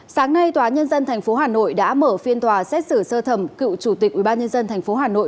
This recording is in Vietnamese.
sáng nay tòa nhân dân tp hà nội đã mở phiên tòa xét xử sơ thẩm cựu chủ tịch ubnd tp hà nội